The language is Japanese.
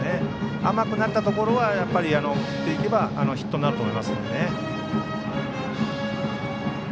甘くなったところは振っていけばヒットになると思いますので。